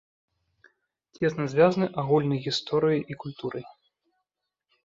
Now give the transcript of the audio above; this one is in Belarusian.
Цесна звязаны агульнай гісторыяй і культурай.